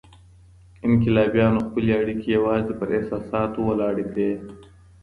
انقلابيانو خپلي اړيکې يوازي پر احساساتو ولاړې کړې.